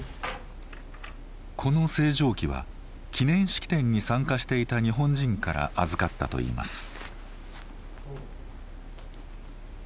この星条旗は記念式典に参加していた日本人から預かったといいます。